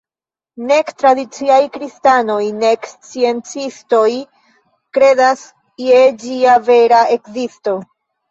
Nek tradiciaj kristanoj nek sciencistoj kredas je ĝia vera ekzisto.